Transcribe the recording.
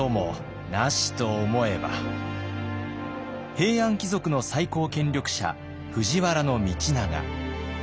平安貴族の最高権力者藤原道長。